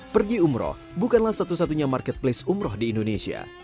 pergi umrah bukanlah satu satunya marketplace umrah di indonesia